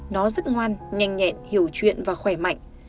nó rất ngoan nhanh nhẹn hiểu chuyện và khỏe mạnh